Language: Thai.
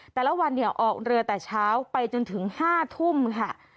แต่ละวันเนี่ยออกเรือแต่เช้าไปจนถึง๕ทุ่มค่ะ